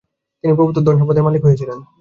তিনি প্রভূত ধন-সম্পদের মালিক হয়েছিলেন।